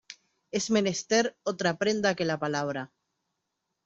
es menester otra prenda que la palabra.